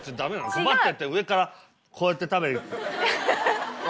カパってやって上からこうやって食べる。